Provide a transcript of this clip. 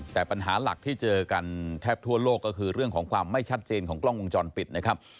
แต่ปัญหาหลักที่เจอกันแทบทั่วโลกก็คือเรื่องของความไม่ชัดเจนของกล้องวงจรปิดนะครับ